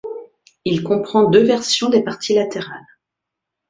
Il comprend deux versions des parties latérales.